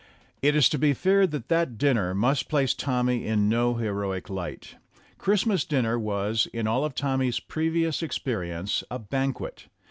It is to be feared that that dinner must place Tommy in no heroic light. Christmas dinner was, in all of Tommy's previous experience, a banquet.